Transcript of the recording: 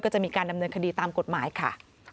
ก็จะมีการดำเนินคดีตามกฎหมายค่ะ